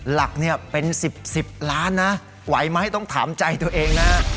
หลักเนี่ยเป็น๑๐๑๐ล้านนะไหวไหมต้องถามใจตัวเองนะ